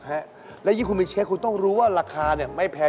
และยิ่งคุณไปเช็คคุณต้องรู้ว่าราคาไม่แพง